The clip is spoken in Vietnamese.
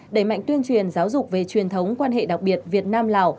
đẩy mạnh tuyên truyền giáo dục về truyền thống quan hệ đặc biệt việt nam lào